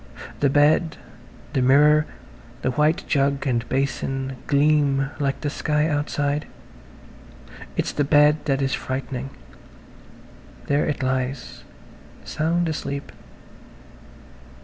The bed, the mirror, the white jug and basin gleam like the sky outside. It's the bed that is frightening. There it lies, sound asleep..